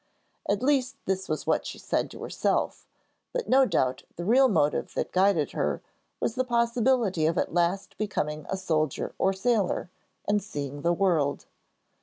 At least this was what she said to herself, but no doubt the real motive that guided her was the possibility of at last becoming a soldier or sailor, and seeing the world.